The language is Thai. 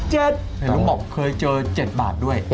เห็นลุงบอกเคยเจอ๗บาทด้วย